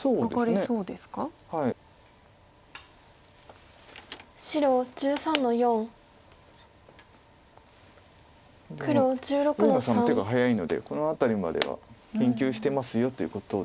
でも上野さんの手が早いのでこの辺りまでは研究してますよということでしょうか。